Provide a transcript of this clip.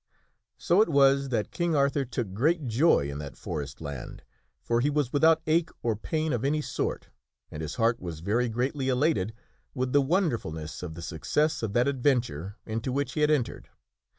So it was that King Arthur took great joy in that forest land, for he was without ache or pain of any sort and his heart was very greatly elated with the wonderfulness of the success of that adventure into which he had entered.